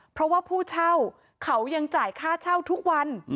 เพราะว่าผู้เช่าเขายังจ่ายค่าเช่าทุกวัน